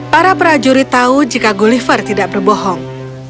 para prajurit tahu jika gulliver tidak berbohong